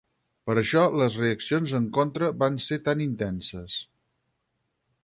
Per això les reaccions en contra van ser tan intenses.